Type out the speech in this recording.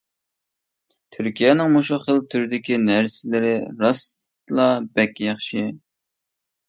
تۈركىيەنىڭ مۇشۇ خىل تۈردىكى نەرسىلىرى راستلا بەك ياخشى.